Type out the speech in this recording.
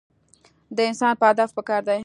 د انسان پۀ هدف پکار دے -